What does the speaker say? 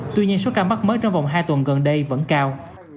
tuy nhiên số ca mắc mới trong vòng hai tuần gần đây vẫn cao